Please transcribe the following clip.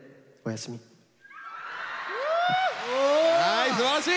はいすばらしい！